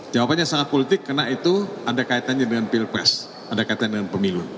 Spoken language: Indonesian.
jawabannya sangat politik karena itu ada kaitannya dengan pilpres ada kaitan dengan pemilu